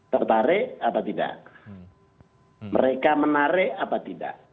tertarik atau tidak mereka menarik apa tidak